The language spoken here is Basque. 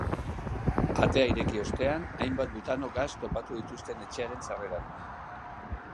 Atea ireki ostean, hainbat butano gas topatu dituzten etxearen sarreran.